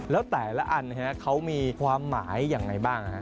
แล้วแต่ละอันเขามีความหมายอย่างไรบ้างฮะ